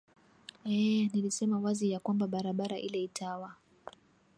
eeh nilisema wazi ya kwamba barabara ile itawa